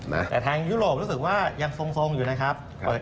แต่ทางยุโรปรู้สึกว่ายังทรงอยู่นะครับ